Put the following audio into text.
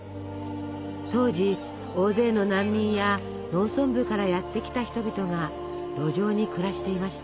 当時大勢の難民や農村部からやって来た人々が路上に暮らしていました。